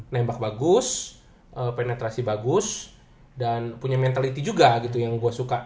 nembak bagus penetrasi bagus dan punya mentality juga gitu yang gue suka